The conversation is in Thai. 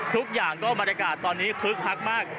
ทุกอย่างก็บรรยากาศตอนนี้คึกคักมาก